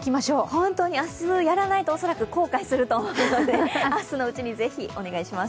本当に明日やらないと恐らく後悔すると思うので、明日のうちに是非お願いします。